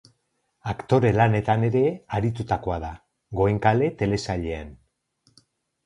Aktore lanetan ere aritutakoa da Goenkale telesailean.